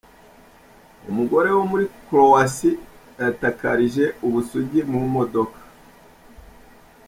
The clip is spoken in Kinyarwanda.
Umugore wo muri Croatia yatakarije ubusugi mu modoka.